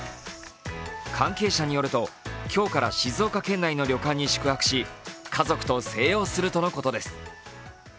関係者によると、今日から静岡県内の旅館に宿泊し家族と静養するとのことです。